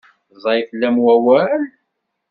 Ẓẓay fell-am wawal?